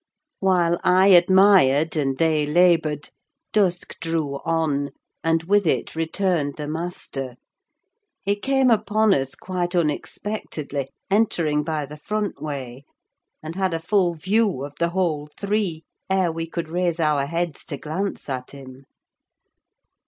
While I admired and they laboured, dusk drew on, and with it returned the master. He came upon us quite unexpectedly, entering by the front way, and had a full view of the whole three, ere we could raise our heads to glance at him.